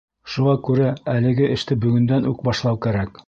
Шуға күрә әлеге эште бөгөндән үк башлау кәрәк.